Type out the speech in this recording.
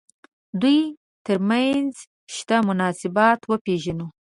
دوی تر منځ شته مناسبات وپېژنو.